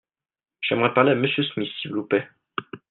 J'aimerais parler à M. Smith s'il vous plait.